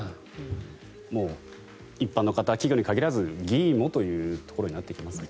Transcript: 一般の方、企業に限らず議員もというところになってきますね。